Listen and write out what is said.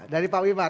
dari pak wimar